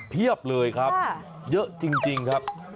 เพียบเลยครับเยอะจริงครับ